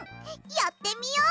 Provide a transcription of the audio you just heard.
やってみよう！